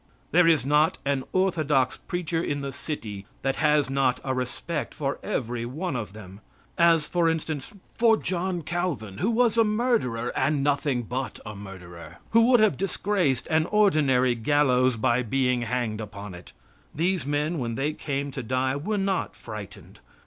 There is not an orthodox preacher in the city that has not a respect for every one of them. As, for instance, for John Calvin, who was a murderer and nothing but a murderer, who would have disgraced an ordinary gallows by being hanged upon it. These men when they came to die were not frightened.